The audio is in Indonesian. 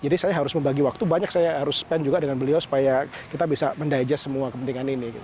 jadi saya harus membagi waktu banyak saya harus spend juga dengan beliau supaya kita bisa mendigest semua kepentingan ini